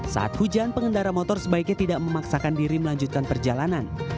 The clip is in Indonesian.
saat hujan pengendara motor sebaiknya tidak memaksakan diri melanjutkan perjalanan